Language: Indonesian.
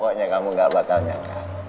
pokoknya kamu gak bakal nyangka